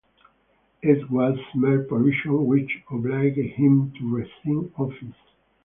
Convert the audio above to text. It was mere pollution which obliged him to resign office.